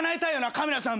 カメラさん